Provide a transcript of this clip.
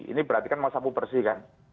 ini berarti kan mau sapu bersih kan